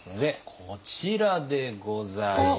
こちらでございます。